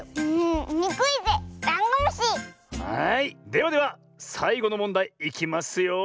ではではさいごのもんだいいきますよ。